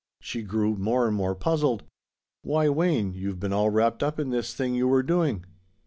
She grew more and more puzzled. "Why, Wayne, you've been all wrapped up in this thing you were doing."